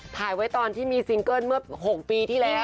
ถ่ายไว้ตอนที่มีซิงเกิ้ลเมื่อ๖ปีที่แล้ว